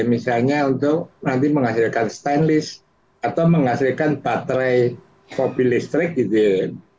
misalnya untuk nanti menghasilkan stainless atau menghasilkan baterai mobil listrik gitu ya